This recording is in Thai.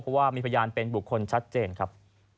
เพราะว่ามีพยานเป็นบุคคลชัดเจนครับ